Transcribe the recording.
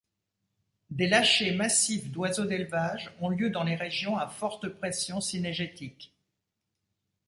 Des lâchers massifs d'oiseaux d'élevage ont lieu dans les régions à forte pression cynégétique.